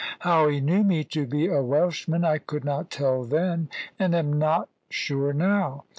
How he knew me to be a Welshman, I could not tell then, and am not sure now.